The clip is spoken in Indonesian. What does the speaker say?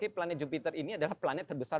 planet jupiter ini adalah planet terbesar